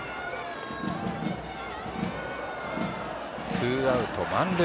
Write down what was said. ツーアウト、満塁。